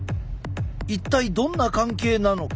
一体どんな関係なのか。